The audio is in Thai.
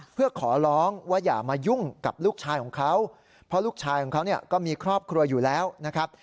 เพื่อขอร้องว่าอย่ามายุ่งกับลูกชายของเขาเพราะลูกชายของเขาเนี่ยก็มีครอบครัวอยู่แล้วนะครับ